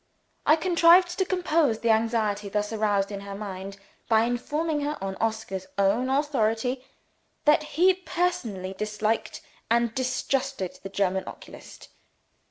I contrived to compose the anxiety thus aroused in her mind, by informing her, on Oscar's own authority, that he personally disliked and distrusted the German oculist.